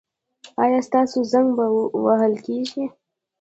ایا ستاسو زنګ به وهل کیږي؟